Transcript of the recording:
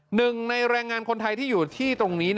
หนึ่งในแรงงานคนไทยที่อยู่ที่ตรงนี้